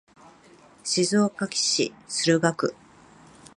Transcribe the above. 静岡市駿河区